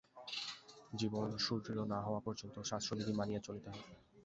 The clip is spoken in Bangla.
জীবন সুদৃঢ় না হওয়া পর্যন্ত শাস্ত্রবিধি মানিয়া চলিতে হয়।